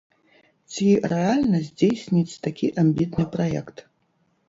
Ці рэальна здзейсніць такі амбітны праект?